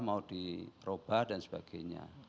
mau diperubah dan sebagainya